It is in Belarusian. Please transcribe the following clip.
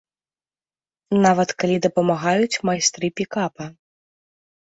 Нават калі дапамагаюць майстры пікапа.